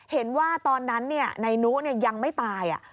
เห็นว่าตอนนั้นนายนุยังไม่ตาย